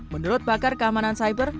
menurut bakar keamanan cyber